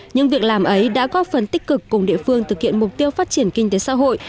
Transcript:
những việc làm ấy đã góp phần tích cực cùng địa phương thực hiện mục tiêu phát triển kinh tế xã hội